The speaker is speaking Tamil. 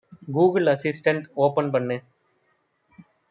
கூகுள் அசிஸ்டெண்ட் ஓபன் பண்ணு